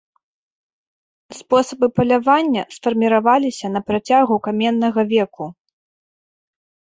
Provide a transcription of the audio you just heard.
Спосабы палявання сфарміраваліся на працягу каменнага веку.